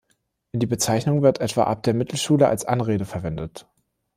Die Bezeichnung wird etwa ab der Mittelschule als Anrede verwendet.